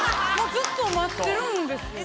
ずっと待ってるんですよ。